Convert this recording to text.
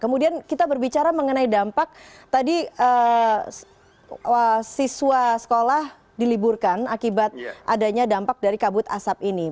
kemudian kita berbicara mengenai dampak tadi siswa sekolah diliburkan akibat adanya dampak dari kabut asap ini